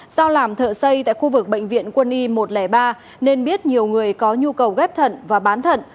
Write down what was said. do làm thợ xây tại khu vực bệnh viện quân y một trăm linh ba nên biết nhiều người có nhu cầu ghép thận và bán thận